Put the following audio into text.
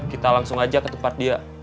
kita langsung aja ke tempat dia